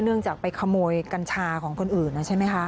เนื่องจากไปขโมยกัญชาของคนอื่นใช่ไหมคะ